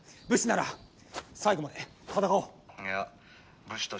武士なら最後まで戦おう。